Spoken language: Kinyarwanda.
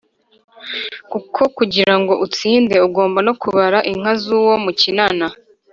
kuko kugira ngo utsinde ugomba no kubara inka z’uwo mukinana